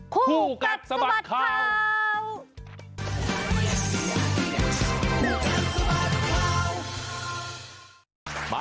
คู่กัดสะบัดข่าว